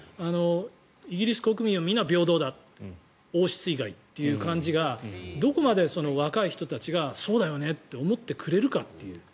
イギリス国民は皆平等だ王室以外という感じがどこまで若い人たちがそうだよねって思ってくれるかという。